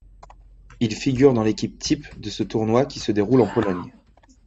Il figure dans l'équipe type de ce tournoi qui se déroule en Pologne.